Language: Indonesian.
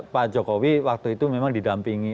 pak jokowi waktu itu memang didampingi